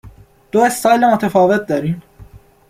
دو استایل متفاوت دارین